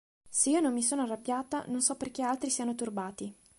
Se io non mi sono arrabbiata, non so perché altri siano turbati.